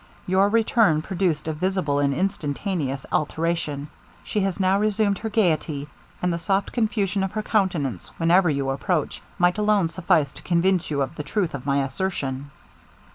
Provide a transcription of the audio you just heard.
Your return produced a visible and instantaneous alteration; she has now resumed her gaiety; and the soft confusion of her countenance, whenever you approach, might alone suffice to convince you of the truth of my assertion.'